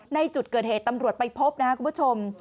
ในจุดเกิดเหตุตำรวจไปพบนะครับคุณผู้ชม